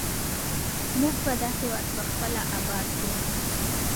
موږ به دا هېواد پخپله اباد کړو.